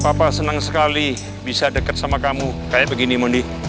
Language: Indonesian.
papa seneng sekali bisa deket sama kamu kaya begini mondi